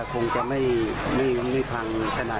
คงน่าจะออกได้บ้าง